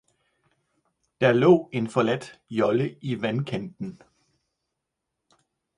Der lå en forladt jolle i vandkanten?